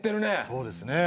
そうですね。